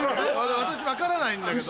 私分からないんだけど。